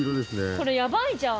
これヤバいじゃん！